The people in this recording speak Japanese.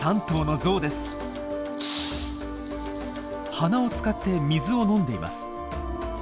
鼻を使って水を飲んでいます。